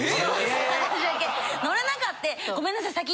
私だけ乗らなかってごめんなさい先